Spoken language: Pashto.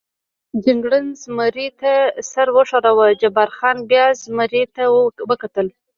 جګړن زمري ته سر و ښوراوه، جبار خان بیا زمري ته وکتل.